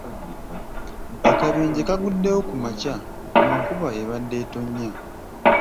Akabenje kaguddewo ku makya mu nkuba ebadde etonnya .